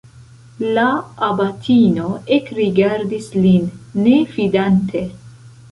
La abatino ekrigardis lin, ne fidante.